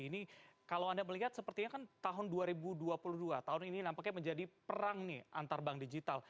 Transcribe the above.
ini kalau anda melihat sepertinya kan tahun dua ribu dua puluh dua tahun ini nampaknya menjadi perang nih antar bank digital